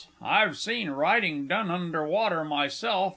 I've seen writing done under water myself.